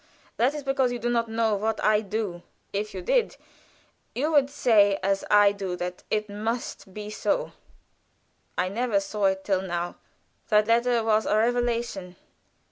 That is because you do not know what I do. If you did, you would say, as I do, that it must be so I never saw it till now. That letter was a revelation.